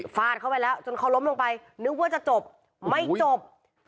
เข้าไปแล้วจนเขาล้มลงไปนึกว่าจะจบไม่จบ